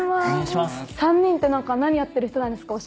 ３人って何やってる人なんですか？